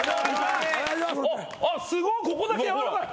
あっすごっここだけ軟らかい。